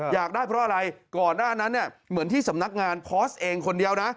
อยากได้เพราะอะไรก่อนหน้านั้นเนี่ยเหมือนที่สำนักงานโพสต์เองคนเดียวนะ